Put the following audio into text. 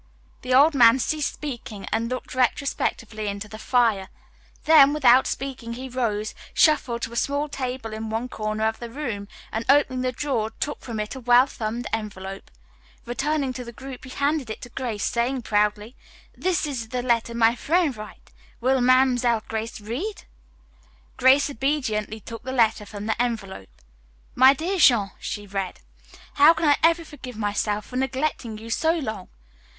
The old man ceased speaking and looked retrospectively into the fire. Then, without speaking, he rose, shuffled to a small table in one corner of the room, and opening the drawer took from it a well thumbed envelope. Returning to the group he handed it to Grace, saying proudly: "This is the letter my frien' write. Will Mamselle Grace read?" Grace obediently took the letter from the envelope. "My dear Jean:" she read. "How can I ever forgive myself for neglecting you so long?